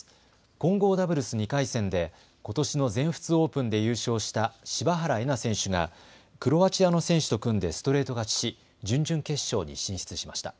混合ダブルス２回戦でことしの全仏オープンで優勝した柴原瑛菜選手がクロアチアの選手と組んでストレート勝ちし準々決勝に進出しました。